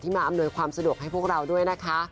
มาอำนวยความสะดวกให้พวกเราด้วยนะคะ